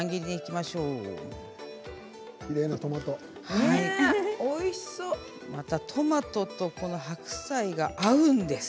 またトマトと白菜が合うんです。